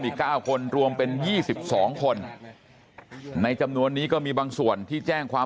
อีก๙คนรวมเป็น๒๒คนในจำนวนนี้ก็มีบางส่วนที่แจ้งความ